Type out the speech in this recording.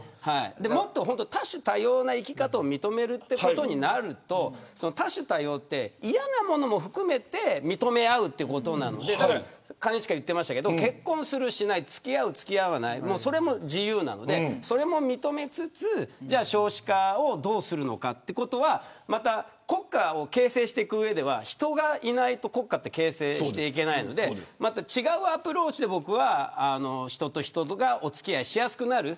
もっと多種多様な生き方を認めるということになると多種多様って嫌なことも含めて認め合うことなので兼近、言ってましたけど結婚する、しない付き合う、付き合わないそれも自由なのでそれも認めつつじゃあ少子化をどうするのかということはまた国家を形成していく上では人がいないと国家は形成していけないのでまた違うアプローチで人と人とがお付き合いしやすくなる。